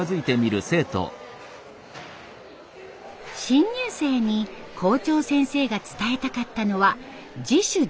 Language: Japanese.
新入生に校長先生が伝えたかったのは自主自立。